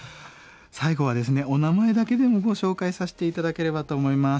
最後はですねお名前だけでもご紹介させて頂ければと思います。